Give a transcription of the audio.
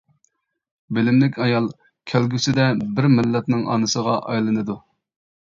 بىلىملىك ئايال كەلگۈسىدە بىر مىللەتنىڭ ئانىسىغا ئايلىنىدۇ!